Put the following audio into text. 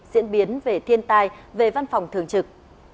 diễn biến về thiên tai về văn phòng thường trực